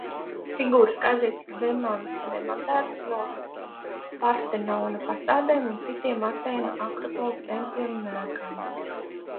Figūras kādreiz tika demontētas no Partenona fasādēm un citiem Atēnu Akropoles tempļiem un ēkām.